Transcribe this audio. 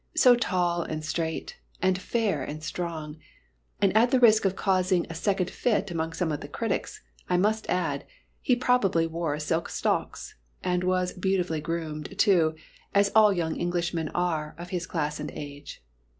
So tall and straight, and fair and strong. And at the risk of causing a second fit among some of the critics, I must add, he probably wore silk socks, and was "beautifully groomed," too, as all young Englishmen are of his class and age.